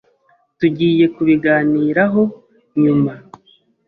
Tugiye kubiganiraho nyuma.